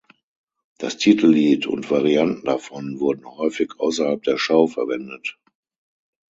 Das Titellied (und Varianten davon) wurden häufig außerhalb der Show verwendet.